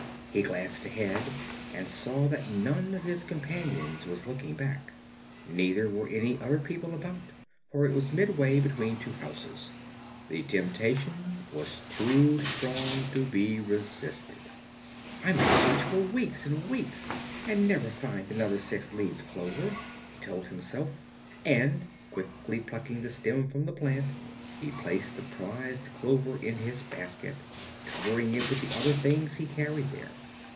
He glanced ahead and saw that none of his companions was looking back. Neither were any other people about, for it was midway between two houses. The temptation was too strong to be resisted. "I might search for weeks and weeks, and never find another six leaved clover," he told himself, and quickly plucking the stem from the plant he placed the prized clover in his basket, covering it with the other things he carried there.